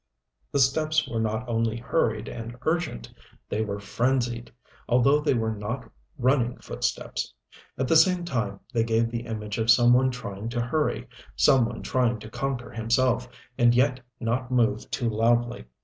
The steps were not only hurried and urgent. They were frenzied although they were not running footsteps. At the same time they gave the image of some one trying to hurry, some one trying to conquer himself, and yet not move too loudly.